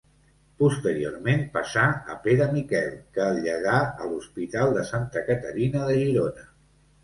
Posteriorment passà a Pere Miquel que el llegà a l'hospital de Santa Caterina de Girona.